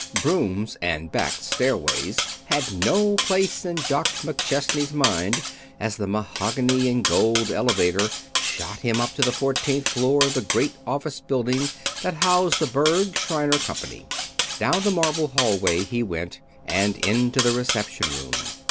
Brooms and back stairways had no place in Jock McChesney's mind as the mahogany and gold elevator shot him up to the fourteenth floor of the great office building that housed the Berg, Shriner Company. Down the marble hallway he went and into the reception room.